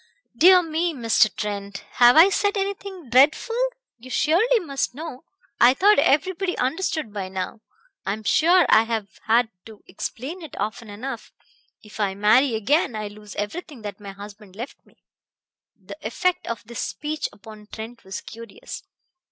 "Dear me, Mr. Trent! Have I said anything dreadful? You surely must know ... I thought everybody understood by now ... I'm sure I've had to explain it often enough ... if I marry again I lose everything that my husband left me." The effect of this speech upon Trent was curious.